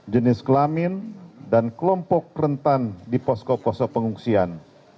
jenis kelamin dan kelompok rentan di posko posko pengungsian